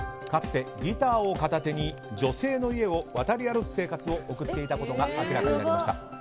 かつてギターを片手に女性の家を渡り歩く生活を送っていたことが明らかになりました。